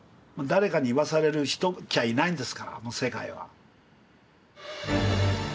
誰かに言わされる人っきゃいないんですからあの世界は。